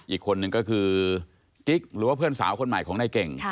อีกคนนึงก็คือกิ๊กหรือว่าเพื่อนสาวคนใหม่ของนายเก่ง